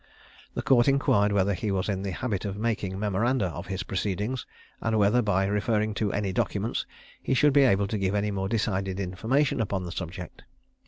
The court inquired whether he was in the habit of making memoranda of his proceedings, and whether, by referring to any documents, he should be able to give any more decided information upon the subject?